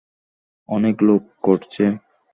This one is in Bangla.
অনেক লোক করছে।